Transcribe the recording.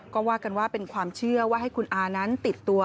ก็ว่ากันว่าเป็นความเชื่อว่าให้คุณอานั้นติดตัว